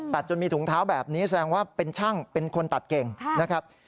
จนมีถุงเท้าแบบนี้แสดงว่าเป็นช่างเป็นคนตัดเก่งนะครับ